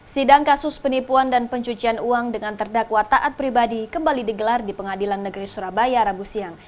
sidang kasus penipuan dan pencucian uang dengan terdakwa taat pribadi kembali digelar di pengadilan negeri surabaya rabu siang